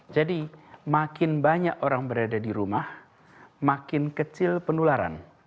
jadi makin banyak orang berada di rumah makin kecil penularan